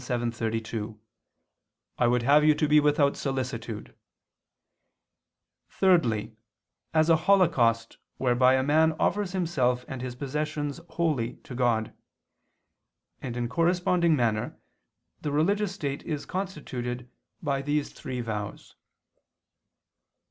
7:32: "I would have you to be without solicitude": thirdly, as a holocaust whereby a man offers himself and his possessions wholly to God; and in corresponding manner the religious state is constituted by these three vows.